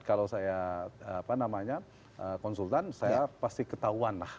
kalau saya konsultan saya pasti ketahuan lah